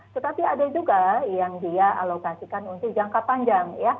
tetapi ada juga yang dia alokasikan untuk jangka panjang